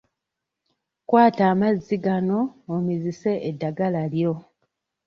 Kwata amazzi gano omizise eddagala lyo.